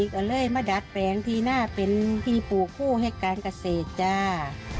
ก็เลยมาดัดแปลงทีหน้าเป็นพี่ปู่คู่ให้จัปกัศเศษจ้า